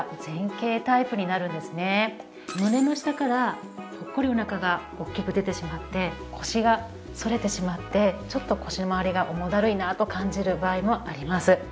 胸の下からポッコリお腹が大きく出てしまって腰が反れてしまってちょっと腰のまわりが重だるいなと感じる場合もあります。